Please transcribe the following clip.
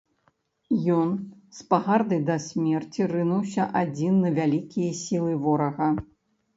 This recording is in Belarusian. Ён, з пагардай да смерці, рынуўся адзін на вялікія сілы ворага.